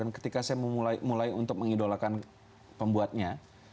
dan ketika saya mulai untuk mengidolakan pembuatnya